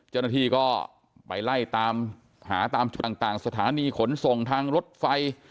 เจ้าหน้าที่ก็ไปไล่ตามหาตามจุดต่างสถานีขนส่งทางรถไฟ